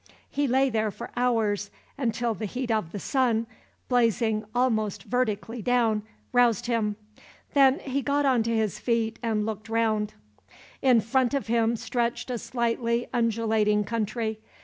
He lay there for hours, until the heat of the sun, blazing almost vertically down, roused him. Then he got on to his feet and looked round. In front of him stretched a slightly undulating country.